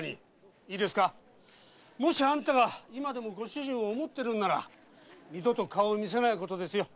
いいですかもしあんたが今でもご主人を想っているなら二度と顔を見せないことですよ。